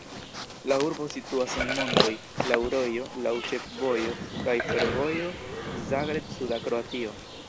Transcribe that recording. La urbo situas en montoj, laŭ rojo, laŭ ĉefvojo kaj fervojo Zagreb-suda Kroatio.